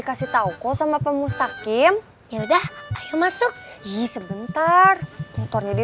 kami alhamdulillah rame kang alhamdulillah